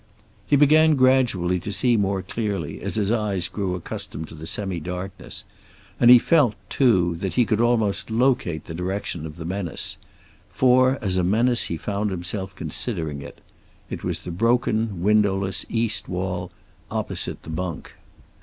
He began gradually to see more clearly as his eyes grew accustomed to the semi darkness, and he felt, too, that he could almost locate the direction of the menace. For as a menace he found himself considering it. It was the broken, windowless East wall, opposite the bunk.